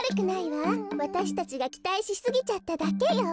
わたしたちがきたいしすぎちゃっただけよ。